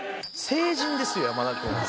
聖人ですよ山田君は。